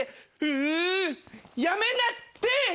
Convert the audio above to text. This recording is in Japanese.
うぅやめなって！